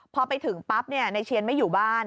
พอไปถึงปั๊บนายเชียนไม่อยู่บ้าน